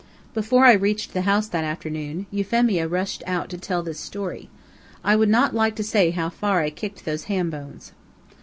Before I reached the house that afternoon, Euphemia rushed out to tell this story. I would not like to say how far I kicked those ham bones.